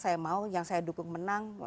saya mau yang saya dukung menang